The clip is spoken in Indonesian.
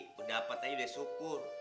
udah dapet aja udah syukur